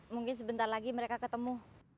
mungkin sebentar lagi mereka ketemu